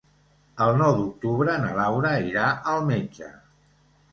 El nou d'octubre na Laura irà al metge.